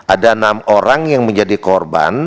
ada enam orang yang menjadi korban